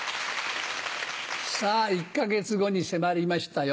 さぁ１か月後に迫りましたよ。